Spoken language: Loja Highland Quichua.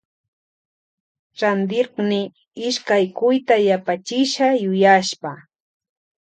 Rantirkni ishkay cuyta yapachisha yuyashpa.